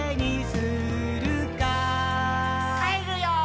「かえるよー」